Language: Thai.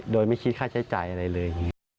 โดยไม่คิดค่าใช้จ่ายอะไรเลย